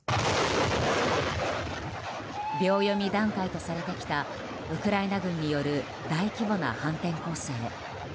秒読み段階とされてきたウクライナ軍による大規模な反転攻勢。